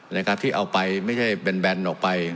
นะครับที่เอาไปไม่ใช่แบนออกไป